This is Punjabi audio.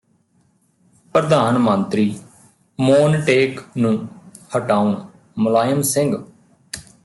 ਪ੍ਰਧਾਨ ਮੰਤਰੀ ਮੋਨਟੇਕ ਨੂੰ ਹਟਾਉਣ ਮੁਲਾਇਮ ਸਿੰਘ